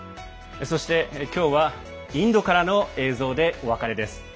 今日はインドからの映像でお別れです。